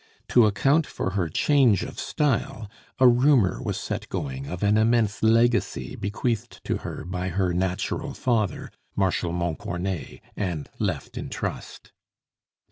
To account for her change of style, a rumor was set going of an immense legacy bequeathed to her by her "natural father," Marshal Montcornet, and left in trust.